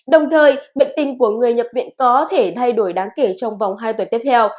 đồng thời bệnh tình của người nhập viện có thể thay đổi đáng kể trong vòng hai tuần tiếp theo